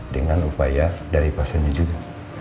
dengan upaya dari pasiennya juga